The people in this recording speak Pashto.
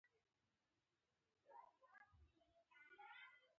يو دم يې بسترې ته ور ټوپ کړل، دېوال سپينې رڼا ونيو.